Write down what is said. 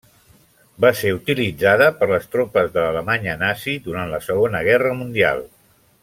Va ser utilitzada per les tropes de l'Alemanya Nazi durant la Segona Guerra Mundial.